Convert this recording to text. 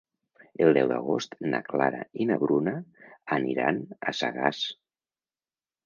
El deu d'agost na Clara i na Bruna aniran a Sagàs.